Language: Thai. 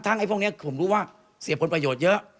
ไอ้พวกนี้ผมรู้ว่าเสียผลประโยชน์เยอะ